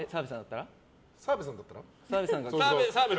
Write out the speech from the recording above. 澤部さんだったら？